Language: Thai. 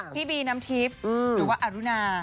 พี่บีน้ำทิพย์หรือว่าอรุณา